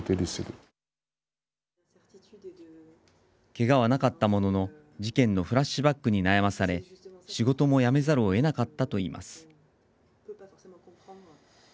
けがはなかったものの事件のフラッシュバックに悩まされ仕事も辞めざるをえなかったといいます。